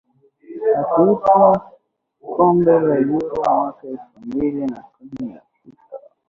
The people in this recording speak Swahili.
akitwaa kombe la Euro mwaka elfu mbili na kumi na sita